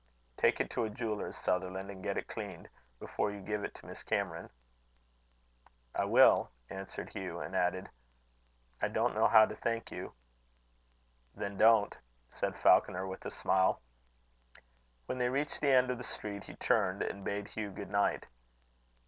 "Take it to a jeweller's, Sutherland, and get it cleaned, before you give it to Miss Cameron." "I will," answered Hugh, and added, "I don't know how to thank you." "Then don't," said Falconer, with a smile. When they reached the end of the street, he turned, and bade Hugh good night.